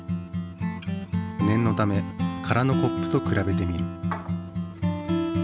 念のため空のコップとくらべてみる。